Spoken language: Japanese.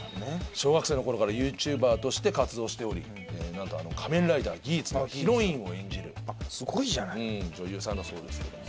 小学生のころからＹｏｕＴｕｂｅｒとして活動しており何と『仮面ライダーギーツ』ではヒロインを演じる女優さんだそうですけども。